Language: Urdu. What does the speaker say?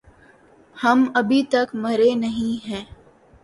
ہم أبھی تک مریں نہیں ہے۔